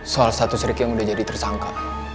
soal status sirik yang udah jadi tersangka